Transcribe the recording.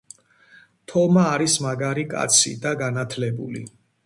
თომა არის მაგარი კაცი და განათლებული